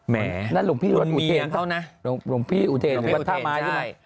แหมคุณเมียเขานะหรือบัตรธามารใช่ไหมหรือบัตรธามารใช่